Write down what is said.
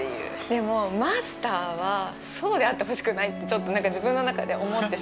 でもマスターはそうであってほしくないってちょっと何か自分の中で思ってしまって。